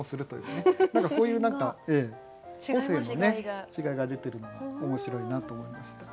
何かそういう個性の違いが出てるのが面白いなと思いました。